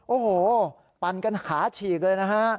โอ้โหปั่นกันขาฉีกเลยนะฮะ